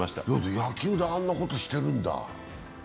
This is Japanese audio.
野球であんなことしてるんだ？